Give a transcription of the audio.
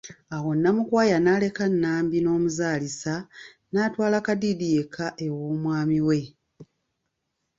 Awo Namukwaya n'aleka Nambi n'omuzaalisa, n'atwala Kadiidi yekka ew'omwami we.